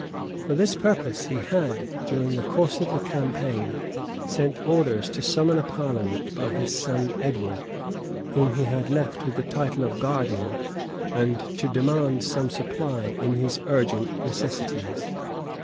For this purpose he had, during the course of the campaign, sent orders to summon a parliament by his son Edward, whom he had left with the title of guardian, and to demand some supply in his urgent necessities.